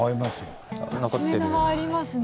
ありますよ。